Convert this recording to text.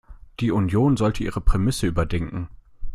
Die Union sollte ihre Prämisse überdenken.